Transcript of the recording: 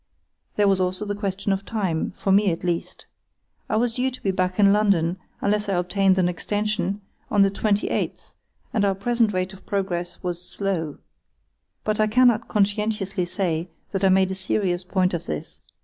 There was also the question of time, for me at least. I was due to be back in London, unless I obtained an extension, on the 28th, and our present rate of progress was slow. But I cannot conscientiously say that I made a serious point of this.